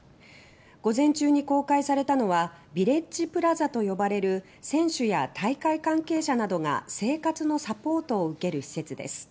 午前中に公開されたのは「ビレッジプラザ」と呼ばれる選手や大会関係者などが生活のサポートを受ける施設です